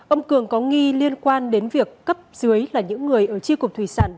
ông cường có nghi liên quan đến việc cấp dưới là những người ở tri cục thủy sản